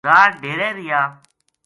رات ڈیرے رہیا